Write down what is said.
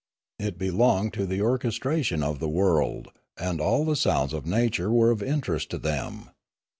It belonged to the orchestration of the world, and all the sounds of nature were of interest to them.